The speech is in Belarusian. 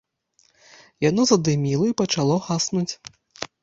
Яно задыміла і пачало гаснуць.